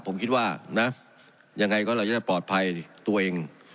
ผมคิดว่านะยังไงก็เราจะได้ปลอดภัยตัวเอง